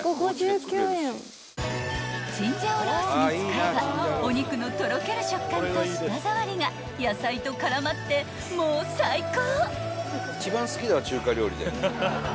［チンジャオロースに使えばお肉のとろける食感と舌触りが野菜と絡まってもう最高］